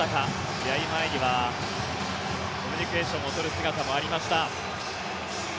試合前にはコミュニケーションを取る姿もありました。